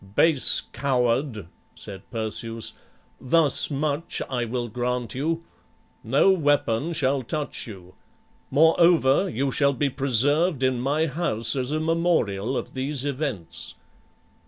"Base coward," said Perseus, "thus much I will grant you; no weapon shall touch you; moreover, you shall be preserved in my house as a memorial of these events."